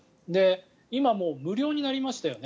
今、もう無料になりましたよね。